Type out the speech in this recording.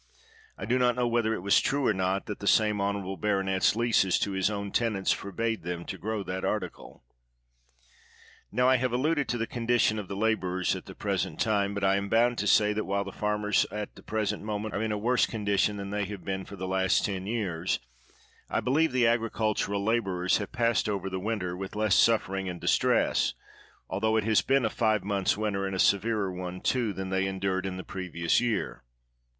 I do not know whether it was true or not that the 171 THE WORLD'S FAMOUS ORATIONS same honorable baronet's leases to his ovra ten ants forbade them to grow that article. Now, I have alluded to the condition of the laborers at the present time; but I am bound to say that while the farmers at the present moment are in a worse condition than they have been for the last ten years, I believe the agricultural laborers have passed over the win ter with less suffering and distress, altho it has been a five months' winter, and a severer one, too, than they endured in the pre^dous year.